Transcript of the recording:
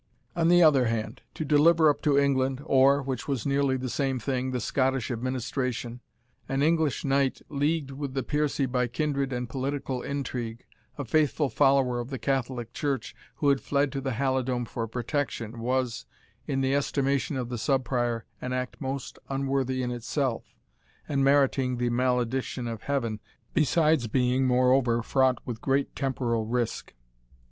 On the other hand, to deliver up to England, or, which was nearly the same thing, the Scottish administration, an English knight leagued with the Piercie by kindred and political intrigue, a faithful follower of the Catholic Church, who had fled to the Halidome for protection, was, in the estimation of the Sub Prior, an act most unworthy in itself, and meriting the malediction of Heaven, besides being, moreover, fraught with great temporal risk.